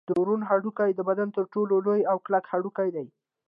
د ورون هډوکی د بدن تر ټولو لوی او کلک هډوکی دی